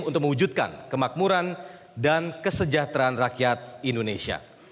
untuk mewujudkan kemakmuran dan kesejahteraan rakyat indonesia